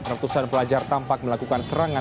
ratusan pelajar tampak melakukan serangan